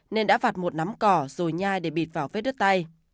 nên đã vặt một nắm cỏ rồi nhai để bịt vào vết đứt tay